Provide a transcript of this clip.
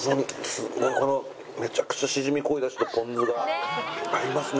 このめちゃくちゃしじみ濃い出汁とポン酢が合いますね。